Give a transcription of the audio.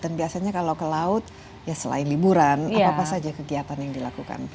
dan biasanya kalau ke laut ya selain liburan apa saja kegiatan yang dilakukan